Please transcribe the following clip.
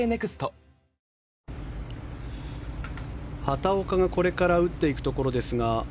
畑岡が、これから打っていくところですが。